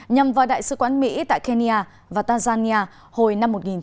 nhằm vào đại sứ quán mỹ tại kenya và tanzania hồi năm một nghìn chín trăm chín mươi tám